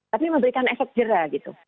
tapi memberikan efek jerat